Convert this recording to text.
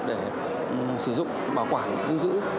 để sử dụng bảo quản lưu giữ